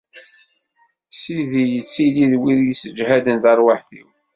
Sidi yettili d wid yesseǧhaden tarwiḥt-iw.